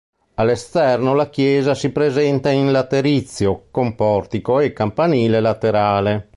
All'esterno la chiesa si presenta in laterizio, con portico, e campanile laterale.